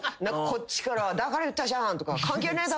こっちからはだから言ったじゃん関係ねえだろ。